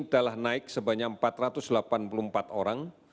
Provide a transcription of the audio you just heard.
telah naik sebanyak empat ratus delapan puluh empat orang